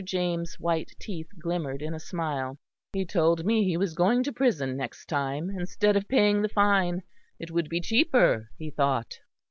James' white teeth glimmered in a smile. "He told me he was going to prison next time, instead of paying the fine. It would be cheaper, he thought."